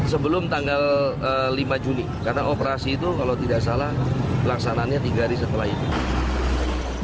sebelum tanggal lima juni karena operasi itu kalau tidak salah pelaksanaannya tiga hari setelah itu